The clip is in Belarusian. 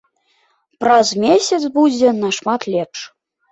Праз месяц будзе нашмат лепш.